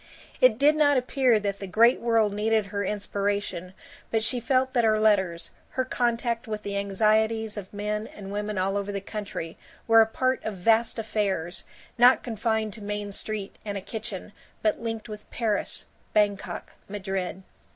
It did not appear that the Great World needed her inspiration, but she felt that her letters, her contact with the anxieties of men and women all over the country, were a part of vast affairs, not confined to Main Street and a kitchen but linked with Paris, Bangkok, Madrid.